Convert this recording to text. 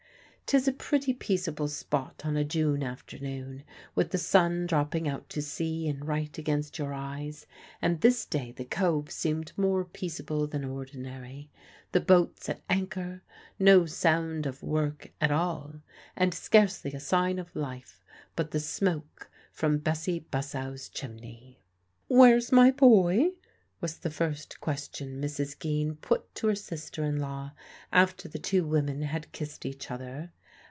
'Tis a pretty peaceable spot on a June afternoon, with the sun dropping out to sea and right against your eyes; and this day the Cove seemed more peaceable than ordinary the boats at anchor, no sound of work at all, and scarcely a sign of life but the smoke from Bessie Bussow's chimney. "Where's my boy?" was the first question Mrs. Geen put to her sister in law after the two women had kissed each other.